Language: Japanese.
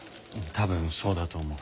多分そうだと思う。